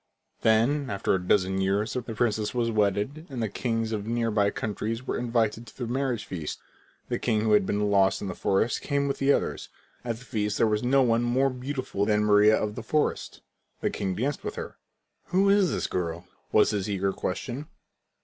When, after a dozen years, the princess was wedded, all the kings of near by countries were invited to the marriage feast. The king who had been lost in the forest came with the others. At the feast there was no one more beautiful than Maria of the forest. The king danced with her. "Who is the girl?" was his eager question.